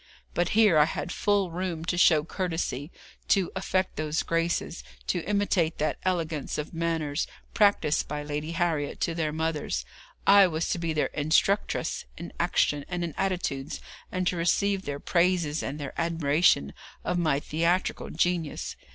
But here I had full room to show courtesy, to affect those graces, to imitate that elegance of manners, practised by Lady Harriet to their mothers. I was to be their instructress in action and in attitudes, and to receive their praises and their admiration of my theatrical genius.